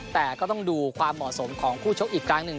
แต่ก็ต้องดูความเหมาะสมของคู่ชกอีกครั้งหนึ่ง